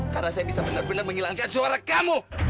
karena saya bisa benar benar menghilangkan suara kamu